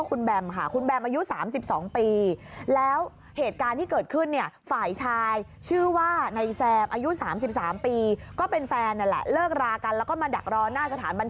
คือขอเรียกว่าคุณแบมค่ะ